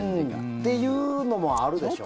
っていうのもあるでしょうね。